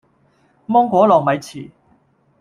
芒果糯米糍